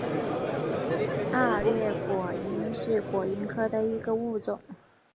二裂果蝇是果蝇科的一个物种。